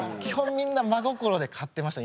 みんな真心で買ってました